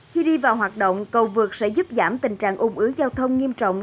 khi đi vào hoạt động cầu vượt sẽ giúp giảm tình trạng ôn ứa giao thông nghiêm trọng